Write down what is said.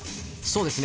そうですね